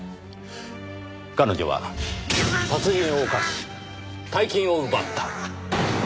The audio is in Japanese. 彼女は殺人を犯し大金を奪った。